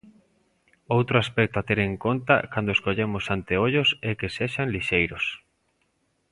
Outro aspecto a ter en conta cando escollamos anteollos é que sexan lixeiros.